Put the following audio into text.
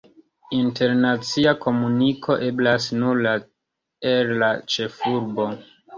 Internacia komuniko eblas nur el la ĉefurbo.